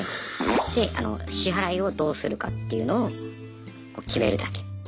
で支払いをどうするかっていうのを決めるだけ。